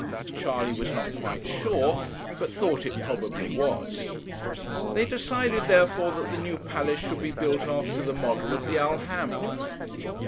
Charley was not quite sure, but thought it probably was. They decided, therefore, that the new palace should be built after the model of the Alhambra.